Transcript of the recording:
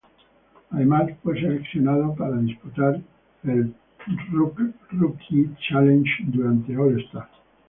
Además, fue seleccionado para disputar el Rookie Challenge durante el All-Star.